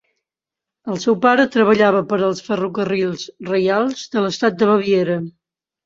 El seu pare treballava per als Ferrocarrils reials de l'estat de Baviera.